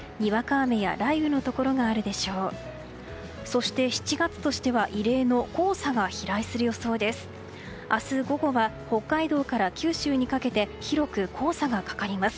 そして、７月としては異例の黄砂が飛来する予想です。